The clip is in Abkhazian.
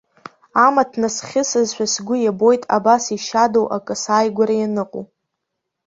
Амаҭ насхьысызшәа сгәы иабоит абас ишьадоу акы сааигәара ианыҟоу.